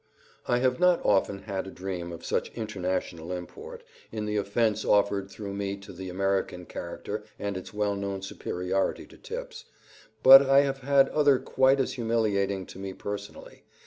I have not often had a dream of such international import, in the offense offered through me to the American character and its well known superiority to tips, but I have had others quite as humiliating to me personally.